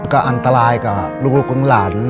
ก็อันตรายกับลูกลูกของหลาน